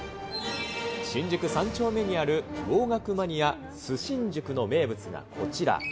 新宿３丁目にある、魚学マニアスシンジュクの名物がこちら。